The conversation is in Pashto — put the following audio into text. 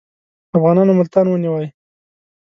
افغانانو ملتان ونیوی.